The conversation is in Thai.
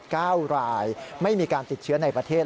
เก้ารายไม่มีการติดเชื้อในประเทศ